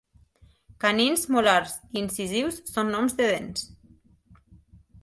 Canins, molars i incisius són noms de dents.